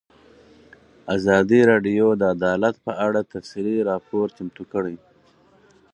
ازادي راډیو د عدالت په اړه تفصیلي راپور چمتو کړی.